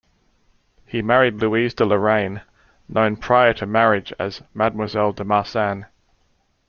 He married Louise de Lorraine, known prior to marriage as "Mademoiselle de Marsan".